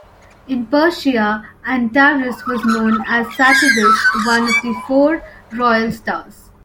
In Persia, Antares was known as "Satevis", one of the four "royal stars".